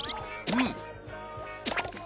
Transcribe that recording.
うん。